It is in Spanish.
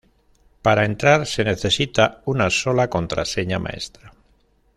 Para entrar se necesita una sola "Contraseña Maestra".